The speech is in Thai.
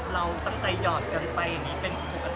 เราตั้งใจหยอดกันไปเป็นปกติไหมครับ